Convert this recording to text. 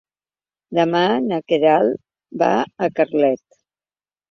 Demà na Queralt va a Carlet.